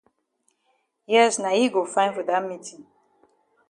Yes na yi go fine for dat meetin.